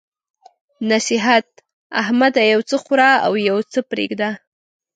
نصيحت: احمده! یو څه خوره او يو څه پرېږده.